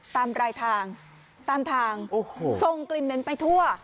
ตามรายทางตามทางโอ้โหส่งกลิ่นเหม็นไปทั่ว